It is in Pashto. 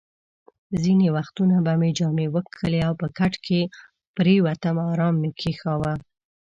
ځینې وختونه به مې جامې وکښلې او په کټ کې پرېوتم، ارام مې کاوه.